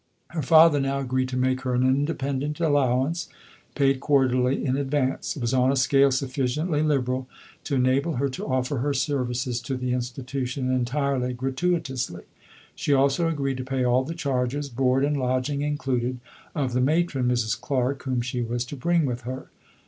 Her father now agreed to make her an independent allowance, paid quarterly in advance. It was on a scale sufficiently liberal to enable her to offer her services to the Institution entirely gratuitously. She also agreed to pay all the charges (board and lodging included) of the matron (Mrs. Clarke), whom she was to bring with her.